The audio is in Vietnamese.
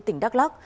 tỉnh đắk lắk